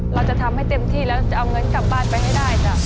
เราจะทำให้เต็มที่แล้วจะเอาเงินกลับบ้านไปให้ได้จ้ะ